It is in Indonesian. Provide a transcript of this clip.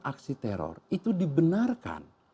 aksi teror itu dibenarkan